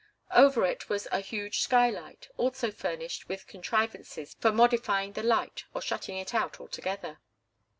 Over it was a huge skylight, also furnished with contrivances for modifying the light or shutting it out altogether.